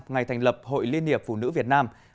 ngày thành lập hội liên hiệp phụ nữ việt nam